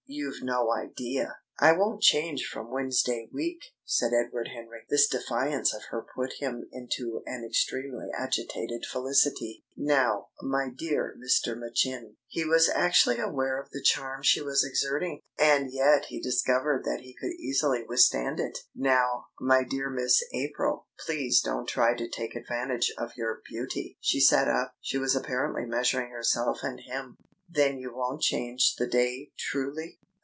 You've no idea " "I won't change from Wednesday week," said Edward Henry. This defiance of her put him into an extremely agitated felicity. "Now, my dear Mr. Machin " He was actually aware of the charm she was exerting, and yet he discovered that he could easily withstand it. "Now, my dear Miss April, please don't try to take advantage of your beauty!" She sat up. She was apparently measuring herself and him. "Then you won't change the day, truly?"